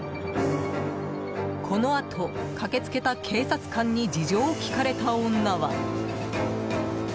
このあと、駆け付けた警察官に事情を聴かれた女は。